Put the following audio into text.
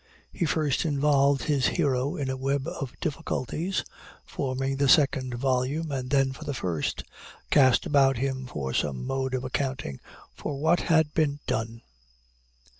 He first involved his hero in a web of difficulties, forming the second volume, and then, for the first, cast about him for some mode of accounting for what had been done."